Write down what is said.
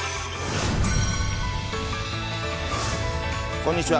こんにちは。